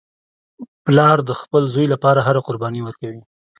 پلار د خپل زوی لپاره هره قرباني ورکوي